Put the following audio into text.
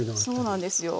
そうなんですよ。